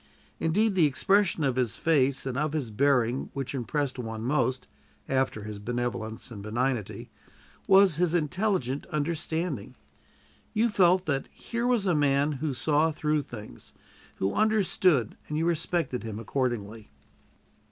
Indeed, the expression of his face and of his bearing which impressed one most, after his benevolence and benignity, was his intelligent understanding. You felt that here was a man who saw through things, who understood, and you respected him accordingly.